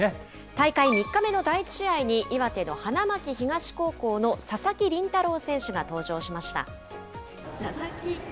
大会３日目の第１試合に、岩手の花巻東高校の佐々木麟太郎選手が登場しました。